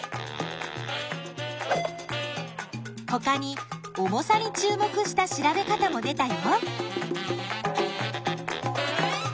ほかに重さに注目した調べ方も出たよ。